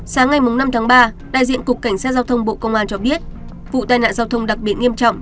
sáng ngày năm tháng ba đại diện cục cảnh sát giao thông bộ công an cho biết vụ tai nạn giao thông đặc biệt nghiêm trọng